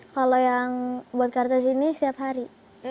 kalau yang buat kartus ini setiap hari